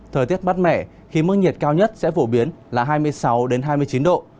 thời tiết mát mẻ khi mức nhiệt cao nhất sẽ phổ biến là hai mươi sáu hai mươi chín độ